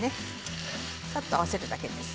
さっと合わせるだけです。